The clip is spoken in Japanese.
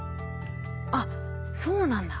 あっそうなんだ。